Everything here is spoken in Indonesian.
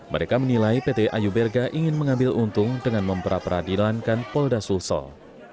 mereka menilai pt ayu berga ingin mengambil untung dengan memperadilankan polda sulsel